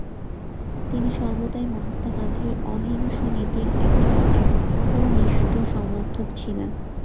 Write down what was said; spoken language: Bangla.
তিনি সর্বদাই মহাত্মা গান্ধীর অহিংস নীতির একজন একনিষ্ঠ সমর্থক ছিলেন।